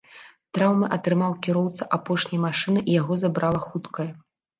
Траўмы атрымаў кіроўца апошняй машыны, яго забрала хуткая.